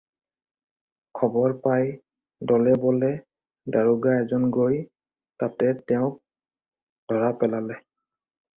খবৰ পাই দলে বলে দাৰোগা এজন গৈ তাতে তেওঁক ধৰা পেলালে।